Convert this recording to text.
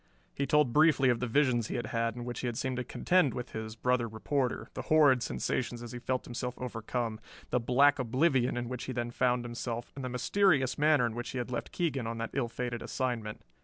He told briefly of the visions he had had in which he had seemed to contend with his brother reporter, the horrid sensations as he felt himself overcome, the black oblivion in which he then found himself, and the mysterious manner in which he had left Keegan on that ill fated assignment.